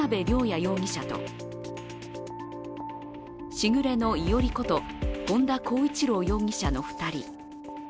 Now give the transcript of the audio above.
容疑者と時雨の伊織こと、本田孝一朗容疑者の２人。